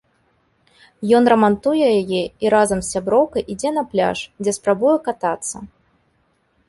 Ён рамантуе яе і разам з сяброўкай ідзе на пляж, дзе спрабуе катацца.